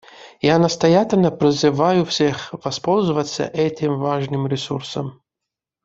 Я настоятельно призываю всех воспользоваться этим важным ресурсом.